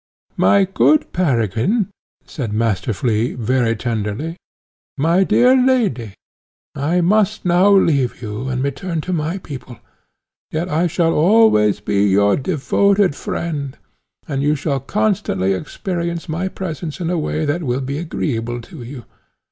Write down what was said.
"My good Peregrine," said Master Flea very tenderly, "my dear lady, I must now leave you, and return to my people; yet I shall always be your devoted friend, and you shall constantly experience my presence in a way that will be agreeable to you.